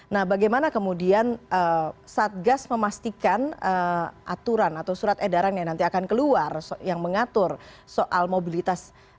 nah bagaimana kemudian satgas memastikan aturan atau surat edaran yang nanti akan keluar yang mengatur soal mobilitas